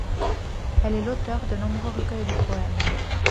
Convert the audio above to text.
Elle est l'auteur de nombreux recueils de poèmes.